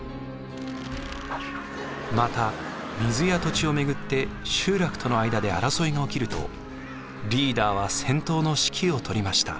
また水や土地を巡って集落との間で争いが起きるとリーダーは戦闘の指揮を執りました。